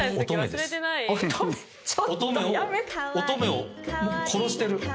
乙女を殺してる。